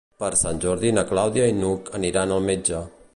Per Sant Jordi na Clàudia i n'Hug aniran al metge.